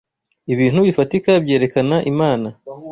ibintu bifatika byerekana Imana